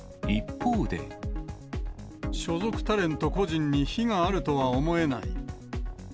所属タレント個人に非があるとは思えない。